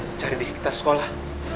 murthy cari di sekitar sekolah